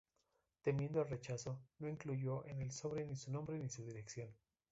Temiendo el rechazo, no incluyó en el sobre ni su nombre ni su dirección.